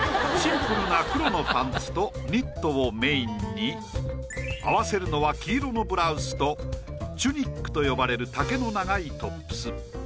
シンプルな黒のパンツとニットをメインに合わせるのは黄色のブラウスとチュニックと呼ばれる丈の長いトップス。